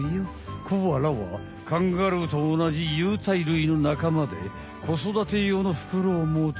コアラはカンガルーとおなじ有袋類のなかまでこそだてようのふくろをもつ。